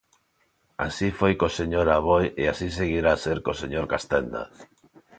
Así foi co señor Aboi e así seguirá a ser co señor Castenda.